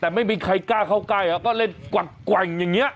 แต่ไม่มีใครกล้าเข้ากล้าไปเขาก็เล่นกวาดกว่ายอย่างเนี้ย